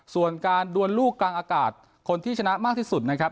ส่วนการดวนลูกกลางอากาศคนที่ชนะมากที่สุดนะครับ